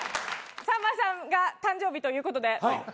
さんまさんが誕生日ということで。